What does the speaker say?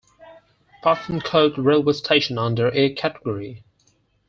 Pathankot Railway Station under A-category.